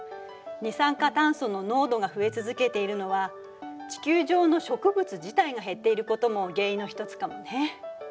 二酸化炭素の濃度が増え続けているのは地球上の植物自体が減っていることも原因の一つかもね。